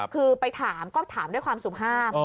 คือไปถามก็ถามด้วยความสุภาพ